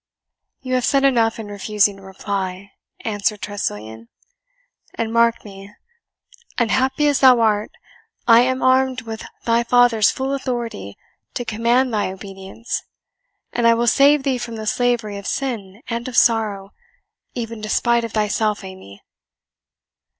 "You have said enough in refusing to reply," answered Tressilian; "and mark me, unhappy as thou art, I am armed with thy father's full authority to command thy obedience, and I will save thee from the slavery of sin and of sorrow, even despite of thyself, Amy."